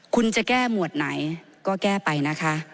คุณจะแก้หมวดไหนก็แก้ไปนะคะ